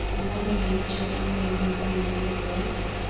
alama za nchi Alama nyeusi ni milango ya